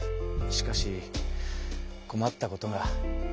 しかしこまったことが。